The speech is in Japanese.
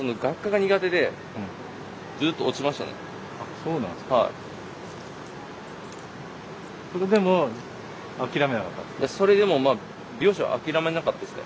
そうなんですか。